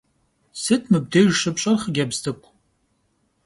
Сыт м ыбдеж щыпщӀэр, хъыджэбз цӀыкӀу?